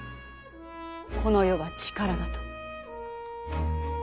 この世は力だと。